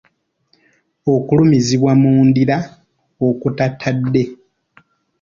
Okulumizibwa mu ndira okutatadde.